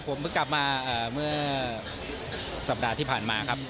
ผมเพิ่งกลับมาเมื่อสัปดาห์ที่ผ่านมาครับ